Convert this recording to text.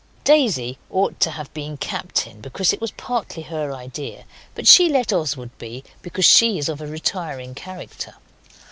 Daisy ought to have been captain because it was partly her idea, but she let Oswald be, because she is of a retiring character.